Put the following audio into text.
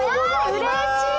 うれしい！